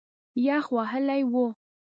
یخ وهلی و.